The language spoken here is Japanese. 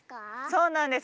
そうなんです。